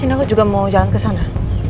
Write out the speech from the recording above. ini aku juga mau jalan kesana